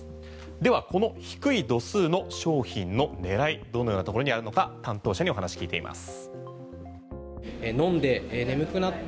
ではこの低い度数の商品の狙いどのようなところにあるのか担当者にお話聞いています。